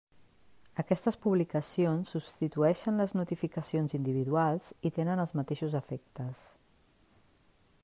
Aquestes publicacions substitueixen les notificacions individuals i tenen els mateixos efectes.